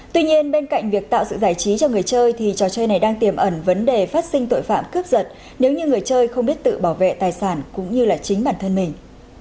tuy nhiên bên cạnh việc tạo sự giải trí cho người chơi thì trò chơi này đang tiềm ẩn vấn đề phát sinh tội phạm cướp giật nếu như người chơi không biết tự bảo vệ tài sản cũng như là chính bản thân mình